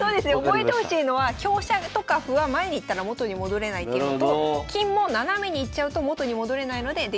覚えてほしいのは香車とか歩は前に行ったら元に戻れないっていうのと金も斜めに行っちゃうと元に戻れないのでできるだけ縦横に使おうと。